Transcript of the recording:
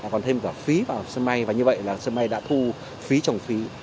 còn thêm cả phí vào sân bay và như vậy là sân bay đã thu phí trồng phí